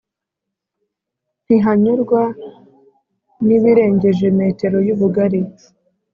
Ntihanyurwa n'ibirengeje metero y'ubugari